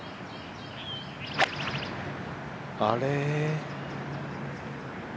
あれ。